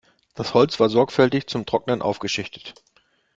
Das Holz war sorgfältig zum Trocknen aufgeschichtet.